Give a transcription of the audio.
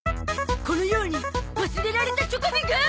このように忘れられたチョコビが！